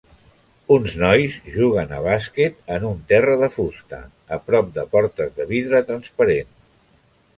Uns nois juguen a bàsquet en un terra de fusta a prop de portes de vidre transparent.